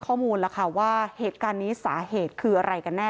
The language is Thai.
ข้อมูลแล้วค่ะว่าเหตุการณ์นี้สาเหตุคืออะไรกันแน่